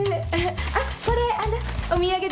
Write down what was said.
あっこれあのお土産です。